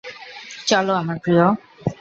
চলো আমার প্রিয়।